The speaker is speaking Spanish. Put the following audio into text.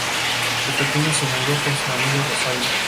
De pequeño se mudó con su familia a Rosario.